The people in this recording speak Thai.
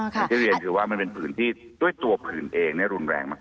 อย่างที่เรียนคือว่ามันเป็นพื้นที่ด้วยตัวผืนเองรุนแรงมาก